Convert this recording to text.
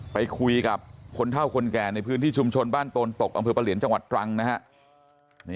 ไปคุยกับคนเท่าคนแก่ในพื้นที่ชุมชนบ้านโตนตกอำเภอประเหลียนจังหวัดตรังนะฮะ